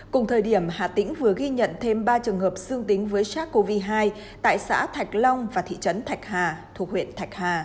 cùng thời điểm hà tĩnh vừa ghi nhận thêm ba trường hợp dương tính với sars cov hai tại xã thạch long và thị trấn thạch hà thuộc huyện thạch hà